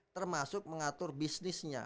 termasuk mengatur bisnisnya